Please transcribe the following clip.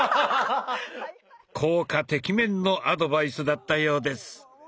効果てきめんのアドバイスだったようです。